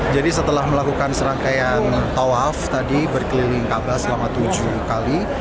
jadi setelah melakukan serangkaian tawaf tadi berkeliling kaabah selama tujuh kali